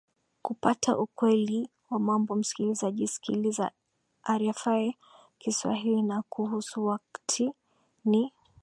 kupata ukweli wa mambo msikilizaji sikiliza rfi kiswahili na kuhusu wakti ni